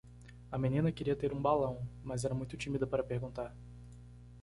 A menina queria ter um balão, mas era muito tímida para perguntar.